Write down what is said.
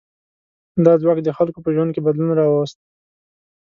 دا ځواک د خلکو په ژوند کې بدلون راوست.